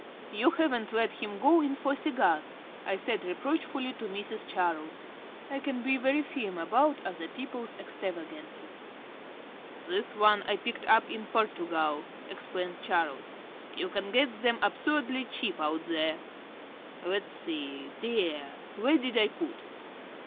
"You haven't let him go in for cigars?" I said reproachfully to Mrs. Charles. I can be very firm about other people's extravagances. "This is one I picked up in Portugal," explained Charles. "You can get them absurdly cheap out there. Let's see, dear; where did I put it?"